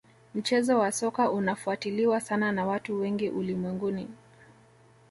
mchezo wa soka unafuatiliwa sana na watu wengi ulimwenguni